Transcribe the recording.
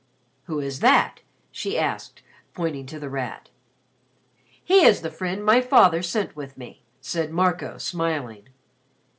"Who is that?" she asked, pointing to The Rat. "He is the friend my father sent with me," said Marco smiling.